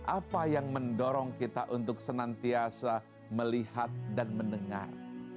apa yang mendorong kita untuk senantiasa melihat dan mendengar